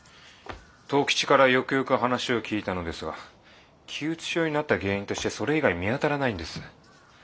藤吉からよくよく話を聞いたのですが気鬱症になった原因としてそれ以外見当たらないんです。